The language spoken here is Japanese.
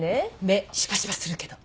目シパシパするけど。